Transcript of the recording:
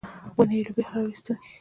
ونې یې له بېخه راویستلې.